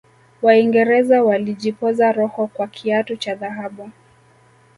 waingereza walijipoza roho kwa kiatu cha dhahabu